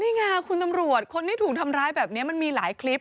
นี่ไงคุณตำรวจคนที่ถูกทำร้ายแบบนี้มันมีหลายคลิป